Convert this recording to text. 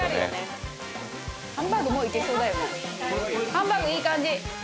ハンバーグいい感じ。